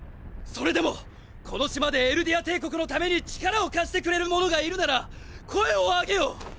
それでもこの島でエルディア帝国のために力を貸してくれる者がいるなら声を上げよ！！